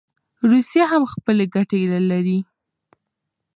روسیه هم خپلي ګټي لري.